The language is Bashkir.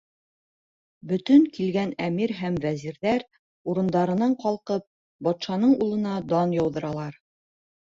Бөтөн килгән әмир һәм вәзирҙәр, урындарынан ҡалҡып, батшаның улына дан яуҙыралар.